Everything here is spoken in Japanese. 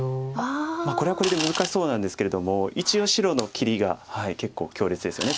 これはこれで難しそうなんですけれども一応白の切りが結構強烈ですよね。